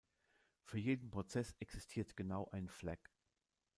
Für jeden Prozess existiert genau ein Flag.